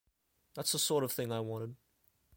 That's the sort of thing I wanted.